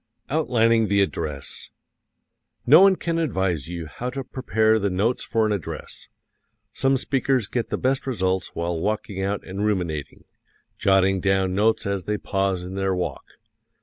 Outlining the Address No one can advise you how to prepare the notes for an address. Some speakers get the best results while walking out and ruminating, jotting down notes as they pause in their walk.